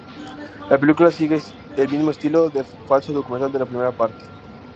La película sigue el mismo estilo de falso documental de la primera parte.